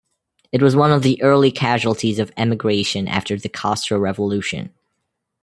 It was one of the early casualties of emigration after the Castro Revolution.